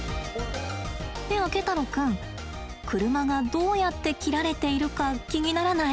ねえあけ太郎くん車がどうやって切られているか気にならない？